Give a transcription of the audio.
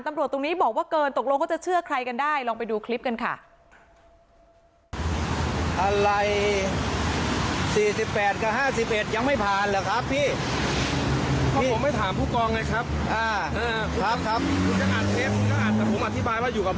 ตรงนี้บอกว่าเกินตกลงเขาจะเชื่อใครกันได้ลองไปดูคลิปกันค่ะ